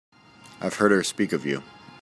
I've heard her speak of you.